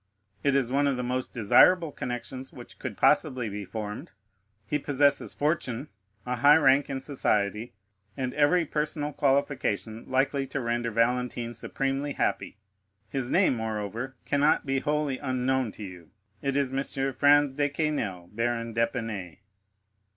It is one of the most desirable connections which could possibly be formed; he possesses fortune, a high rank in society, and every personal qualification likely to render Valentine supremely happy,—his name, moreover, cannot be wholly unknown to you. It is M. Franz de Quesnel, Baron d'Épinay."